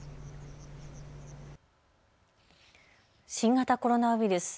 新型コロナウイルス。